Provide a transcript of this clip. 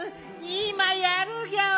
いまやるギャオ。